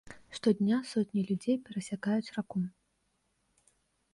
Штодня сотні людзей перасякаюць раку.